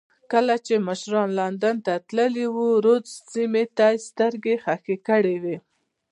کله چې مشران لندن ته تللي وو رودز سیمې ته سترګې خښې کړې وې.